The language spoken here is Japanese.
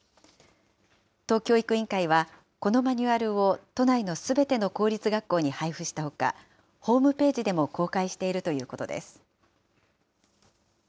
都教育委員会はこのマニュアルを都内のすべての公立学校に配布したほか、ホームページでも公開しているということです。